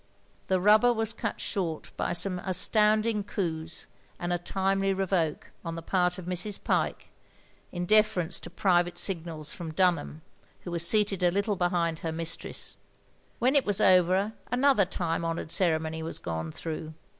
The rubber was cut short by some astotmding coups and a timely revoke, on the part of Mrs. Pyke, in deference to private signals from Dtmham, who was seated a little behind her mistress; when it was over another time honoured cere mony was gone through.